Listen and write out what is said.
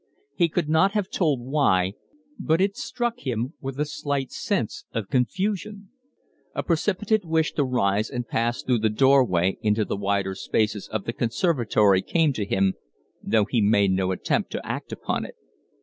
He could not have told why, but it struck him with a slight sense of confusion. A precipitate wish to rise and pass through the doorway into the wider spaces of the conservatory came to him, though he made no attempt to act upon it.